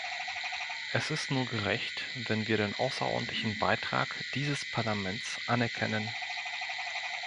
Es ist nur gerecht, wenn wir den außerordentlichen Beitrag dieses Parlaments anerkennen.